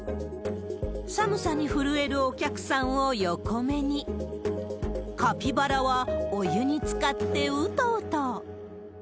寒さに震えるお客さんを横目に、カピバラはお湯につかって、うとうと。